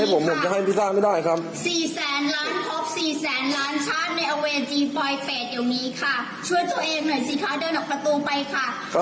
เดินออกประตูไปค่ะเจ็ดร้อยหกสิบบาทเสียไม่ได้หรือค่ะ